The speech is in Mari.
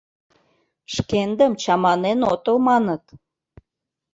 Шкендым чаманен отыл, маныт...